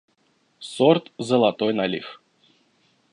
– Сорт «золотой налив».